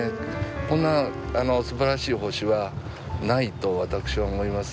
こんなすばらしい星はないと私は思います。